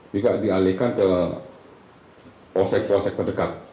juga dialihkan ke proses proses terdekat